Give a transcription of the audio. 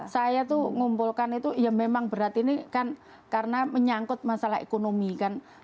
saya tuh ngumpulkan itu ya memang berat ini kan karena menyangkut masalah ekonomi kan